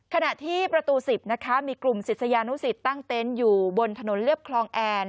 ขณะที่ประตู๑๐นะคะมีกลุ่มศิษยานุสิตตั้งเต็นต์อยู่บนถนนเรียบคลองแอน